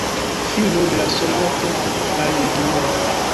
Filo de la soldato de Polaj Legioj.